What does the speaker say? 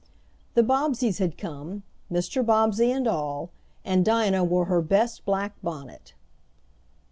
The Bobbseys had come Mr. Bobbsey and all, and Dinah wore her best black bonnet.